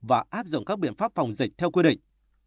và áp dụng các biện pháp phòng dịch theo quy định